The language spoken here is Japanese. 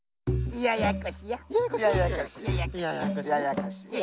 ややこしや！